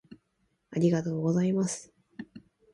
ありがとうございます